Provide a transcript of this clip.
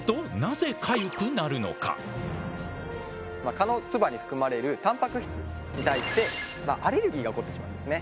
蚊の唾に含まれるたんぱく質に対してアレルギーが起こってしまうんですね。